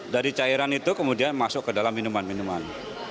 dari cairan itu kemudian masuk ke dalam minuman minuman